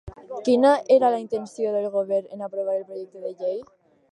Quina era la intenció del govern en aprovar el projecte de llei?